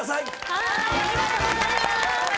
ありがとうございます！